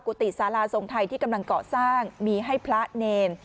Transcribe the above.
กติสาราทรงไทยที่กำลังเกาะสร้างมีให้พระเนร